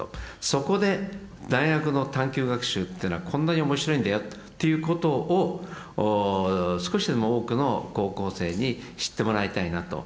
そこで大学の探究学習っていうのはこんなに面白いんだよっていうことを少しでも多くの高校生に知ってもらいたいなと。